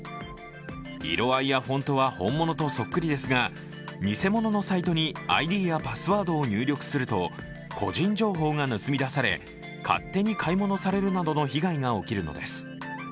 色合いやフォントは本物とそっくりですが、偽物のサイトにＩＤやパスワードを入力すると個人情報が盗み出され、勝手に買い物されるなどの被害が起きるのです。